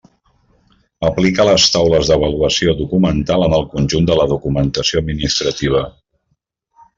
Aplica les taules d'avaluació documental en el conjunt de la documentació administrativa.